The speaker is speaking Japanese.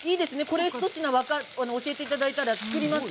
これ１つ教えていただいたら作ります。